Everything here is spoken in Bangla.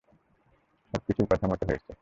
সবকিছুই কথামতো হয়েছে।